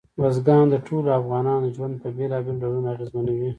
بزګان د ټولو افغانانو ژوند په بېلابېلو ډولونو اغېزمنوي.